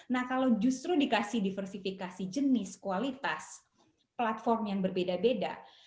nah kalau justru dikasih diversifikasi jenis kualitas platform yang berbeda beda